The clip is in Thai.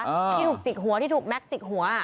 ที่ถูกจิกหัวที่ถูกแก๊กจิกหัว